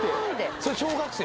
それ小学生？